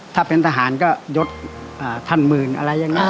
ถ้าเป็นทหารก็ยดท่านหมื่นอะไรอย่างนี้